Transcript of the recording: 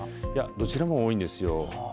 どちらも多いんですよ。